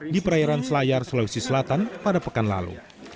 di perairan selayar sulawesi selatan pada pekan lalu